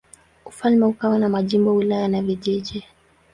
Ufalme ukawa na majimbo, wilaya na vijiji.